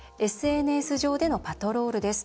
ＳＮＳ上でのパトロールです。